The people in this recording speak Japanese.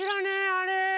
あれ？